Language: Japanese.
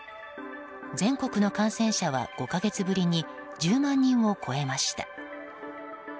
全国の感染者は５か月ぶりに１０万人を超えました。